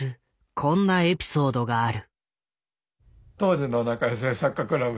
こんなエピソードがある。